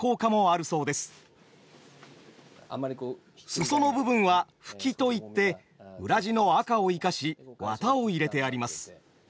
裾の部分は「ふき」といって裏地の赤を生かし綿を入れてあります。